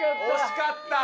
惜しかった。